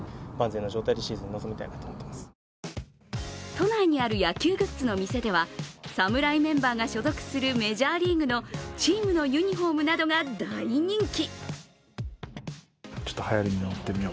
都内にある野球グッズの店では侍メンバーが所属するメジャーリーグのチームのユニフォームなどが大人気。